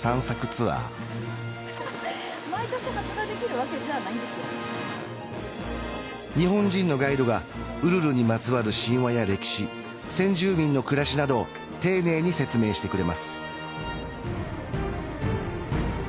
ツアー毎年発芽できるわけじゃないんですよ日本人のガイドがウルルにまつわる神話や歴史先住民の暮らしなどを丁寧に説明してくれます